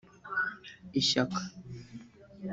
Ishyaka